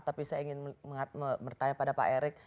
tapi saya ingin bertanya pada pak erick